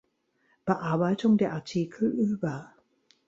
Bearbeitung der Artikel über